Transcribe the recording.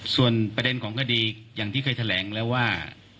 ส่วนประเด็นของคดีอย่างที่เคยแถลงแล้วว่า